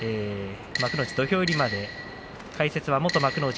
幕内土俵入りまで解説は元幕内